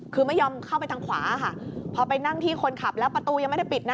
คือไม่ยอมเข้าไปทางขวาค่ะพอไปนั่งที่คนขับแล้วประตูยังไม่ได้ปิดนะ